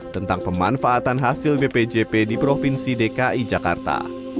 tentang pemanfaatan hasil bpjp di provinsi dki jakarta